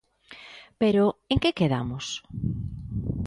Pero en que quedamos?